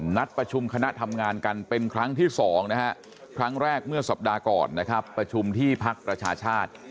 นัดประชุมคณะทำงานกันเป็นครั้งที่๒นะฮะครั้งแรกเมื่อสัปดาห์ก่อนนะครับประชุมที่พักประชาชาติ